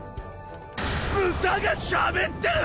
豚がしゃべってる！